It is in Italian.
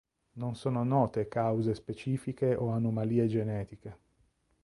Non sono note cause specifiche o anomalie genetiche.